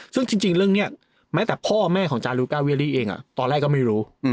ซึ่งจริงเรื่องนี้แม้แต่พ่อแม่ของจารุก้าเวียรี่เองตอนแรกก็ไม่รู้